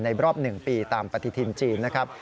ในรอบหนึ่งปีตามปฏิทินจีนนะครับ